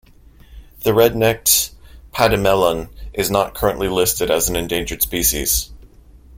The red-necked pademelon is not currently listed as an endangered species.